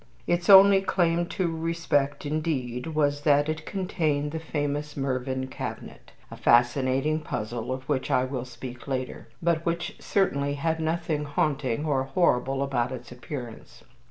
Its only claim to respect, indeed, was that it contained the famous Mervyn cabinet, a fascinating puzzle of which I will speak later, but which certainly had nothing haunting or horrible about its appearance.